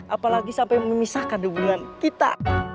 apalagi sampai memisahkan hubungan kita